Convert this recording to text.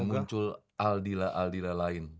dan muncul aldila aldila lain